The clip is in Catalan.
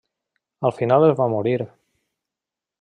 Al final es va morir.